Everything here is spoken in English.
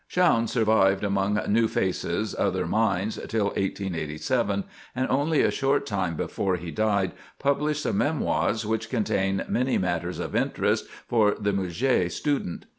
Schaune survived among "new faces, other minds," till 1887, and only a short time before he died published some memoirs which contain many matters of interest for the Murger student.